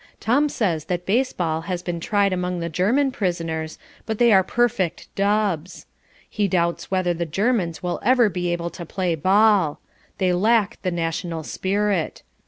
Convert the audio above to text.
Tom says that baseball had been tried among the German prisoners, but they are perfect dubs. He doubts whether the Germans will ever be able to play ball. They lack the national spirit.